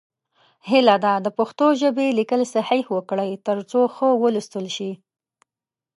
هیله ده د پښتو ژبې لیکل صحیح وکړئ، تر څو ښه ولوستل شي.